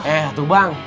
eh tuh bang